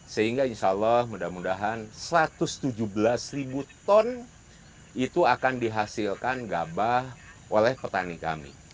sehingga insya allah mudah mudahan satu ratus tujuh belas ribu ton itu akan dihasilkan gabah oleh petani kami